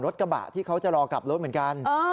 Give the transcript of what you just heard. รถกระบะที่เขาจะรอกลับรถเหมือนกัน